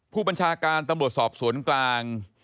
ผู้บัญชาการตำรวจสอบสวนกลาง